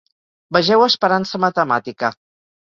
Vegeu esperança matemàtica.